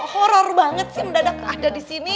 horror banget sih mendadak ada disini